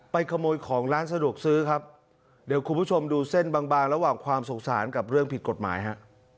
ขโมยของร้านสะดวกซื้อครับเดี๋ยวคุณผู้ชมดูเส้นบางบางระหว่างความสงสารกับเรื่องผิดกฎหมายฮะ